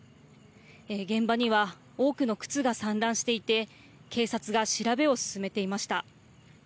現場には多くの靴が散乱していて警察が調べを進めていました。